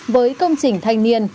với công trình thanh niên